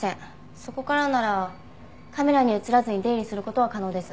そこからならカメラに映らずに出入りする事は可能です。